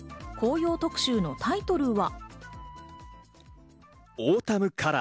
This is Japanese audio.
紅葉特集のタイトルは。